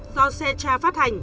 do secha phát hành